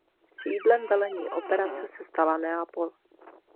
Sídlem velení operace se stala Neapol.